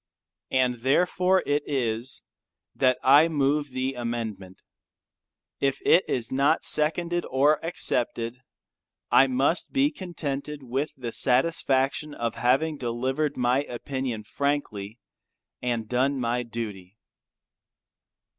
And therefore it is, that I move the amendment. If it is not seconded or accepted I must be contented with the satisfaction of having delivered my opinion frankly and done my duty.